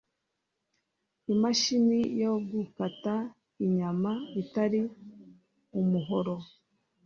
imashini yo gukata inyama itari umuhoro